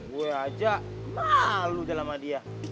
gue aja malu sama dia